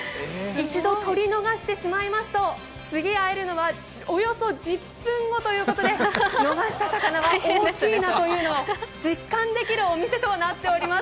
一度取り逃してしまいますと、次に会えるのはおよそ１０分後ということで、逃した魚は大きいなというのを実感できるお店となっております。